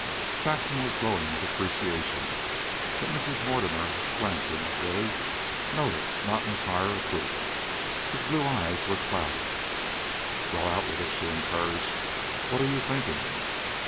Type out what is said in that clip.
Saxon was glowing with appreciation, but Mrs. Mortimer, glancing at Billy, noted not entire approval. His blue eyes were clouded. "Well, out with it," she encouraged. "What are you thinking?"